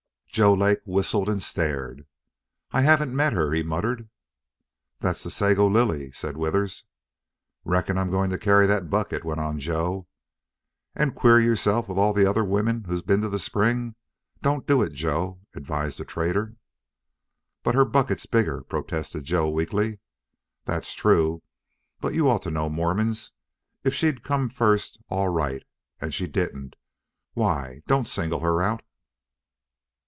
Joe Lake whistled and stared. "I haven't met her," he muttered. "That's the Sago Lily," said Withers. "Reckon I'm going to carry that bucket," went on Joe. "And queer yourself with all the other women who've been to the spring? Don't do it, Joe," advised the trader. "But her bucket's bigger," protested Joe, weakly. "That's true. But you ought to know Mormons. If she'd come first, all right. As she didn't why, don't single her out."